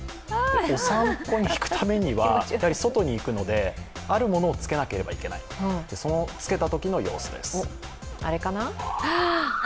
お散歩に行くためには、やはり外に行くのであるものを着けなければいけない着けたときの様子です。